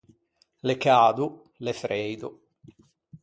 L’é cado, l’é freido.